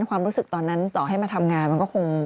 ความรู้สึกตอนนั้นต่อให้มาทำงานมันก็คง